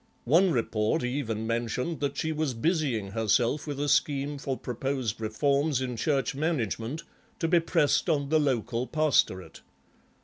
One report even mentioned that she was busying herself with a scheme for proposed reforms in Church management to be pressed on the local pastorate.